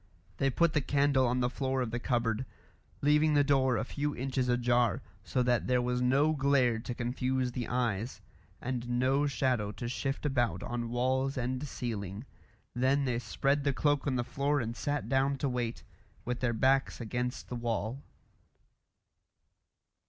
They put the candle on the floor of the cupboard, leaving the door a few inches ajar, so that there was no glare to confuse the eyes, and no shadow to shift about on walls and ceiling. Then they spread the cloak on the floor and sat down to wait, with their backs against the wall.